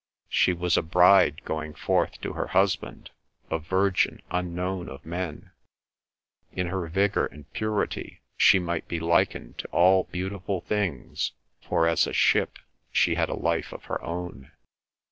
She was a bride going forth to her husband, a virgin unknown of men; in her vigor and purity she might be likened to all beautiful things, for as a ship she had a life of her own.